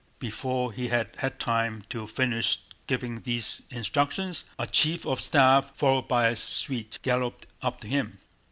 Before he had had time to finish giving these instructions, a chief of staff followed by a suite galloped up to him.